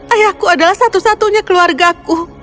ayahku adalah satu satunya keluarga aku